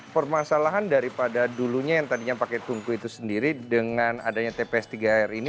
permasalahan daripada dulunya yang tadinya pakai tungku itu sendiri dengan adanya tps tiga r ini